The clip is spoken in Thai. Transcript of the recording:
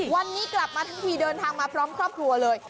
วันนี้กลับมาทั้งทีเดินทางมาพร้อมครอบครัวเลย